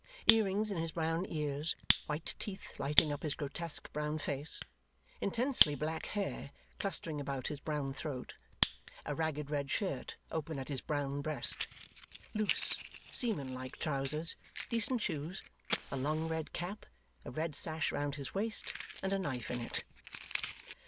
Earrings in his brown ears, white teeth lighting up his grotesque brown face, intensely black hair clustering about his brown throat, a ragged red shirt open at his brown breast. Loose, seaman like trousers, decent shoes, a long red cap, a red sash round his waist, and a knife in it.